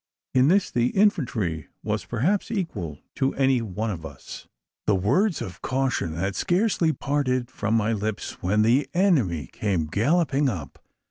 In this, the infantry was perhaps equal to any of us. The words of caution had scarcely parted from my lips, when the enemy came galloping up.